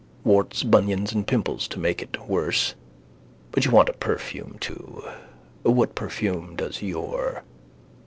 Warts, bunions and pimples to make it worse. But you want a perfume too. What perfume does your?